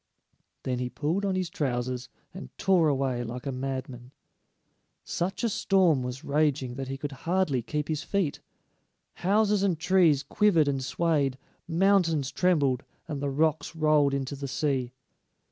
Then he pulled on his trousers and tore away like a madman. Such a storm was raging that he could hardly keep his feet; houses and trees quivered and swayed, mountains trembled, and the rocks rolled into the sea.